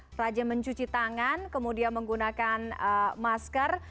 rajin mencuci tangan kemudian menggunakan masker